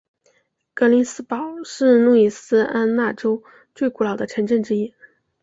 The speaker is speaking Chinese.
格林斯堡是路易斯安那州最古老的城镇之一。